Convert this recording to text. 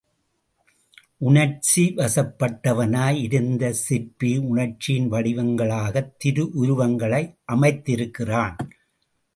உணர்ச்சிவசப்பட்டவனாய் இருந்த சிற்பி உணர்ச்சியின் வடிவங்களாகத் திருவுருவங்களை அமைத்திருக்கிறான்.